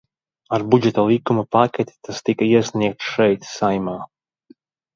Ar Budžeta likuma paketi tas tika iesniegts šeit, Saeimā.